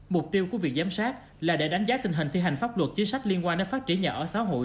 mục tiêu của việc giám sát là để đánh giá tình hình thi hành pháp luật chính sách liên quan đến phát triển nhà ở xã hội